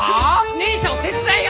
姉ちゃんを手伝いや！